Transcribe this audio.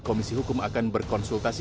komisi hukum akan berkonsultasi